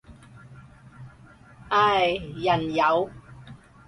唉，人有